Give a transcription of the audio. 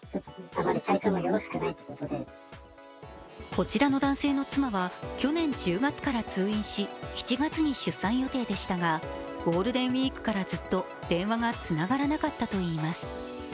こちらの男性の妻は去年１０月から通院し、７月に出産予定でしたがゴールデンウイークから、ずっと電話がつながらなかったといいます。